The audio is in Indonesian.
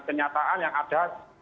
kenyataan yang ada